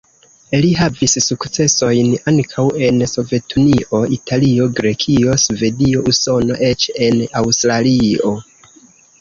Li havis sukcesojn ankaŭ en Sovetunio, Italio, Grekio, Svedio, Usono, eĉ en Aŭstralio.